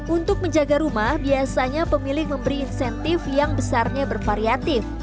untuk menjaga rumah biasanya pemilik memberi insentif yang besarnya bervariatif